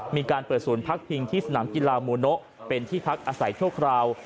มีการเปิดศูนย์พักพิงที่สนามกีฬามูโนะเป็นที่พักอาศัยชั่วคราว